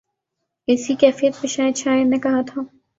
اسی کیفیت پہ شاید شاعر نے کہا تھا۔